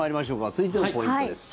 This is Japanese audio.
続いてのポイントです。